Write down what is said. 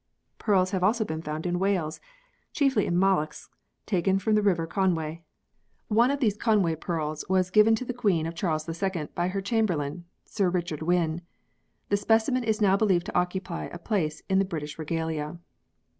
Pearls have also been found in Wales, chiefly in molluscs taken from the river Conway. One 10 PEARLS [CH. of these Con way pearls was given to the queen of Charles II by her chamberlain, Sir Richard Wynn. The specimen is now believed to occupy a place in the British regalia.